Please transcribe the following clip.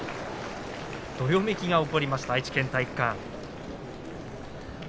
どよめきが起きました愛知県体育館。